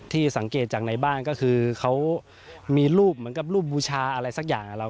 สังเกตจากในบ้านก็คือเขามีรูปเหมือนกับรูปบูชาอะไรสักอย่างกับเรา